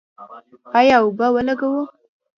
آیا اوبه ولګوو؟